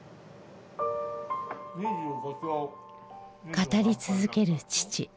語り続ける父。